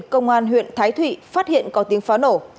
công an huyện thái thụy phát hiện có tiếng pháo nổ